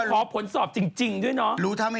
แต่เขาสอบครูนะ